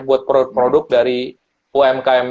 buat produk produk dari umkm